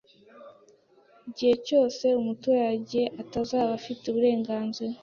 gihe cyose umuturage atazaba afite uburenganzira